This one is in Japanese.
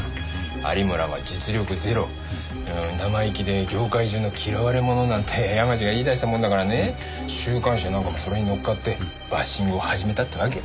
有村は実力ゼロ生意気で業界中の嫌われ者なんて山路が言い出したもんだからね週刊誌やなんかもそれに乗っかってバッシングを始めたってわけ。